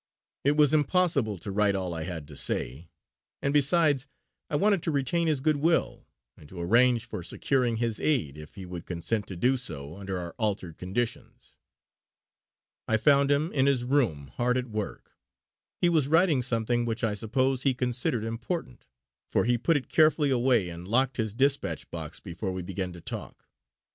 It was impossible to write all I had to say; and besides I wanted to retain his good will, and to arrange for securing his aid, if he would consent to do so under our altered conditions. I found him in his room hard at work. He was writing something which I suppose he considered important, for he put it carefully away and locked his despatch box before we began to talk.